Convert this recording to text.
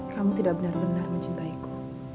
kamu tidak benar benar mencintaiku